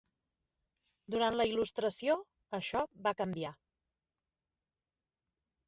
Durant la Il·lustració, això va canviar.